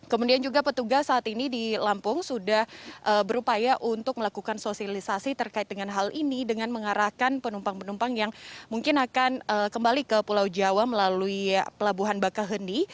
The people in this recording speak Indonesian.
kemudian juga petugas saat ini di lampung sudah berupaya untuk melakukan sosialisasi terkait dengan hal ini dengan mengarahkan penumpang penumpang yang mungkin akan kembali ke pulau jawa melalui pelabuhan bakaheni